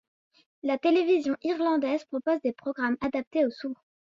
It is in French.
La télévision irlandaise propose des programmes adaptés aux sourds.